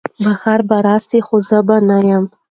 بهار به راسي خو زه به نه یم